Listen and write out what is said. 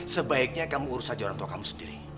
sebaiknya kamu urus saja orang tua kamu sendiri